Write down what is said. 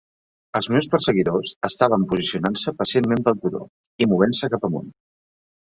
Els meus perseguidors estaven posicionant-se pacientment pel turó, i movent-se cap amunt.